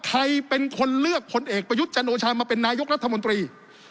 ใครเป็นคนเลือกพลเอกประยุทธ์จันโอชามาเป็นนายกรัฐมนตรี